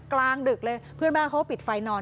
กลางดึกเลยเพื่อนบ้านเขาก็ปิดไฟนอน